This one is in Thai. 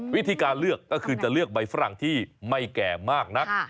วิธีการเลือกก็คือจะเลือกใบฝรั่งที่ไม่แก่มากนัก